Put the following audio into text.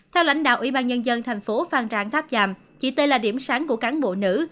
theo lãnh đạo ubnd thành phố phan rang tháp tràm chị t là điểm sáng của cán bộ nữ